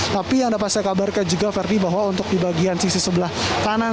tapi yang dapat saya kabarkan juga ferdi bahwa untuk di bagian sisi sebelah kanan